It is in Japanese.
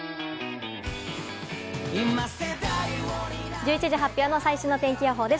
１１時発表の最新の天気予報です。